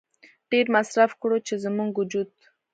ډېر مصرف کړو چې زموږ وجود